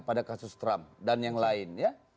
pada kasus trump dan yang lain ya